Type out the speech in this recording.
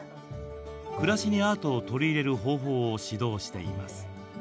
暮らしにアートを取り入れる方法を指導しています。